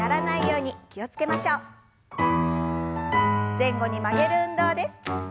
前後に曲げる運動です。